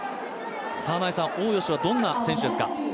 大吉はどんな選手ですか？